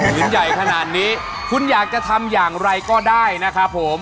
ใหญ่ขนาดนี้คุณอยากจะทำอย่างไรก็ได้นะครับผม